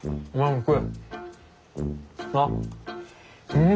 うん！